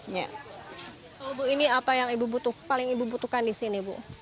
kalau bu ini apa yang ibu butuhkan di sini bu